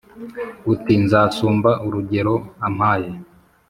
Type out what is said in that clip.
uti : nzasumba urugero ampaye